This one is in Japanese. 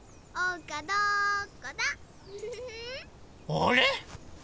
あれ？